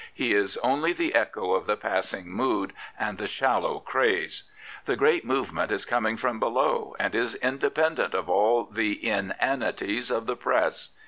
He is only the echo of the passing mood and the shallow craze. The great movement is coming from below and is independent of all the inanities of the press.